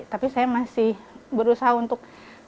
tapi saya masih berusaha untuk